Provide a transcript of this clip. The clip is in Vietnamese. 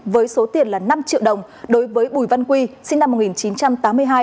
với số tiền là năm triệu đồng đối với bùi văn quy sinh năm một nghìn chín trăm tám mươi hai